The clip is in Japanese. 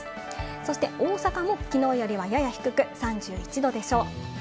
そして、大阪もきのうよりはやや低く、３１度でしょう。